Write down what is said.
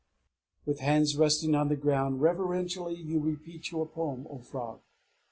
"With hands resting on the ground, reverentially you repeat your poem, O frog!"